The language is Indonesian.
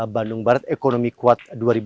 bandung barat ekonomi kuat dua ribu dua puluh